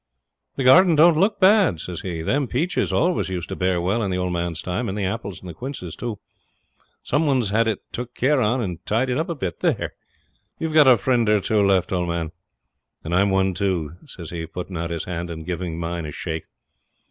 'The garden don't look bad,' says he. 'Them peaches always used to bear well in the old man's time, and the apples and quinces too. Some one's had it took care on and tidied up a bit. There, you've got a friend or two left, old man. And I'm one, too,' says he, putting out his hand and giving mine a shake.